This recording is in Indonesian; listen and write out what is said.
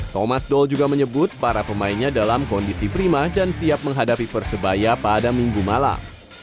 thomas doll juga menyebut para pemainnya dalam kondisi prima dan siap menghadapi persebaya pada minggu malam